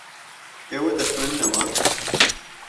ئێوە دەخوێننەوە.